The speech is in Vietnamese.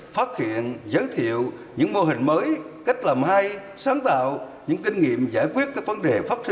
phát hiện giới thiệu những mô hình mới cách làm hay sáng tạo những kinh nghiệm giải quyết các vấn đề phát sinh